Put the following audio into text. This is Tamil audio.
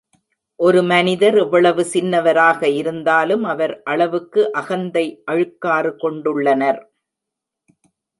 ஒரு மனிதர் எவ்வளவு சின்னவராக இருந்தாலும் அவர் அளவுக்கு அகந்தை அழுக்காறு கொண்டுள்ளனர்.